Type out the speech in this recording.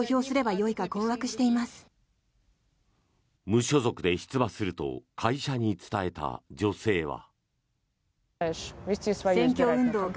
無所属で出馬すると会社に伝えた女性は。